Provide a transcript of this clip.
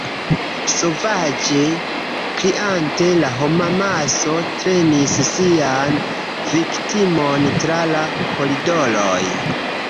Sovaĝe kriante, la homamaso trenis sian viktimon tra la koridoroj.